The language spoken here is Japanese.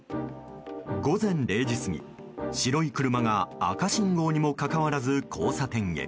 午前０時過ぎ、白い車が赤信号にもかかわらず交差点へ。